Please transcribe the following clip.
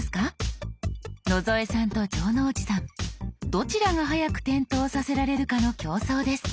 どちらが早く点灯させられるかの競争です。